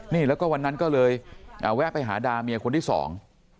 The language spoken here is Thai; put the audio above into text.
นี่แล้วก็วันนั้นก็เลยอ่าแวะไปหาดาเมียคนที่สอง